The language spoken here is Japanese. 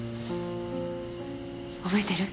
覚えてる？